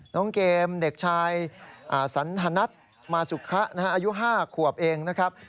น้องเกมเด็กชายสันธนัทมาสุขะอายุ๕ขวบเองนะครับ